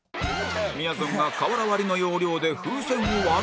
みやぞんが瓦割りの要領で風船を割るという